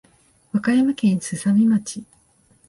和歌山県すさみ町